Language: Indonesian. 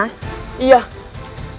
karena sakitnya itu aneh sekali